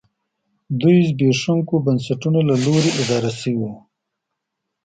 دوی د زبېښونکو بنسټونو له لوري اداره شوې دي